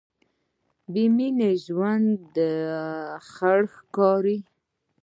بېمینې ژوند خړ ښکاري.